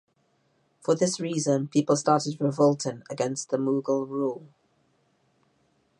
For this reason people started revolting against the Mughal rule.